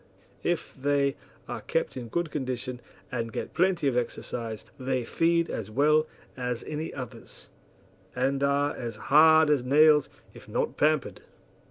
If they are kept in good condition and get plenty of exercise they feed as well as any others, and are as hard as nails if not pampered.